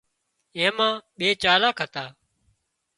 اين مان ٻي چالاڪ هتا